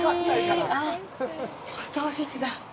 あっ、ポストオフィスだ。